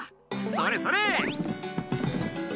それそれ！